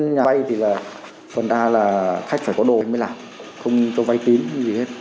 nhà máy thì là phần đa là khách phải có đồ mới làm không cho vay tín gì hết